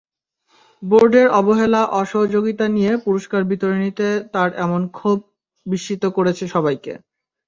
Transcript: বোর্ডের অবহেলা, অসহযোগিতা নিয়ে পুরস্কার বিতরণীতেই তাঁর এমন ক্ষোভ বিস্মিত করেছে সবাইকে।